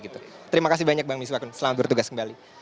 terima kasih banyak bang misbakun selamat bertugas kembali